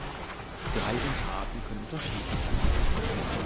Drei Unterarten können unterschieden werden.